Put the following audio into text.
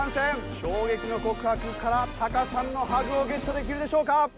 衝撃の告白からタカさんのハグをゲットできるでしょうか？